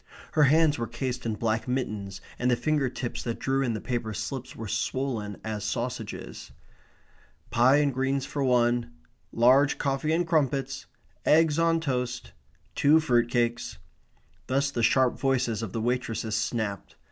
Her hands were cased in black mittens, and the finger tips that drew in the paper slips were swollen as sausages. "Pie and greens for one. Large coffee and crumpets. Eggs on toast. Two fruit cakes." Thus the sharp voices of the waitresses snapped.